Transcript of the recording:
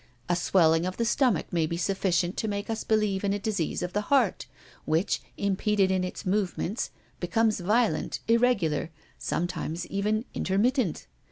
A swelling of the stomach may be sufficient to make us believe in a disease of the heart, which, impeded in its movements, becomes violent, irregular, sometimes even intermittent.